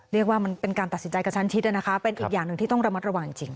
เรียกว่ามันเป็นการตัดสินใจกระชันชิดนะคะเป็นอีกอย่างหนึ่งที่ต้องระมัดระวังจริง